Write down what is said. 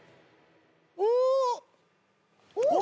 おおっ